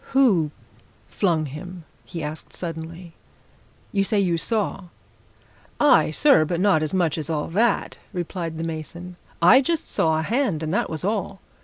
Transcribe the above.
"Who flung him?" he asked suddenly. "You say you saw!" "Aye, sir, but not as much as all that!" replied the mason. "I just saw a hand and that was all.